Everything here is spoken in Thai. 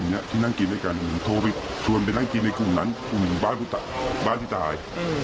ไม่ถึงหน้ากินในกลุ่มนั้นบ้านพุทธบ้านที่ตาย